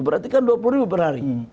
berarti kan dua puluh ribu per hari